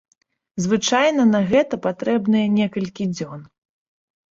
Звычайна на гэта патрэбныя некалькі дзён.